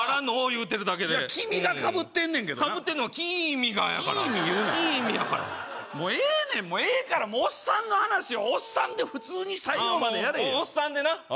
言うてるだけで君がかぶってんねんけどなかぶってんのは「君が」やから「君」言うな「君」やからもうええねんええからおっさんの話はおっさんで普通に最後までやれおっさんでな